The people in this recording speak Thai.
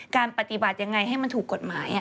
การปฏิบัติยังไงให้มันถูกกฎหมาย